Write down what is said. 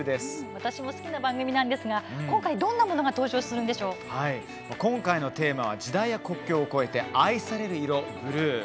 私も大好きな番組ですが今回は、どんなものが今回のテーマは時代や国境を超えて愛される色ブルー。